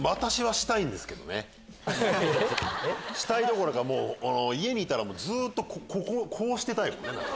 したいどころか家にいたらずっとこうしてたいもんね。